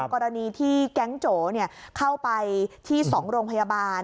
กรณีที่แก๊งโจเข้าไปที่๒โรงพยาบาล